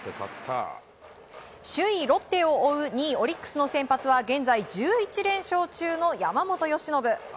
首位ロッテを追う２位オリックスの先発は現在１１連勝中の山本由伸。